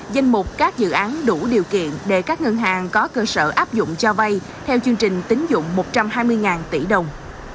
giúp các dự án đủ điều kiện để các ngân hàng có cơ sở áp dụng cho vay theo chương trình tín dụng một trăm hai mươi tỷ đồng